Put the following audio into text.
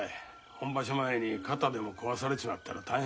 本場所前に肩でも壊されちまったら大変だ。